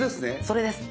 それです。